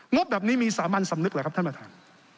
บแบบนี้มีสามัญสำนึกเหรอครับท่านประธาน